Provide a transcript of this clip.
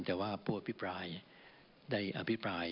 แต่ว่าผู้อภิปรายได้อภิปราย